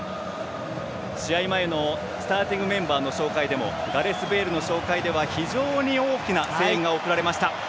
試合前のスターティングメンバーの紹介でガレス・ベイルの紹介では非常に大きな声援が送られました。